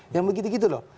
yang begitu begitu loh